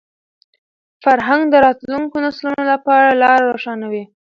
فرهنګ د راتلونکو نسلونو لپاره لاره روښانوي.